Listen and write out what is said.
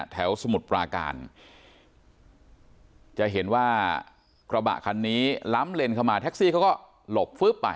สมุทรปราการจะเห็นว่ากระบะคันนี้ล้ำเลนเข้ามาแท็กซี่เขาก็หลบฟึ๊บอ่ะ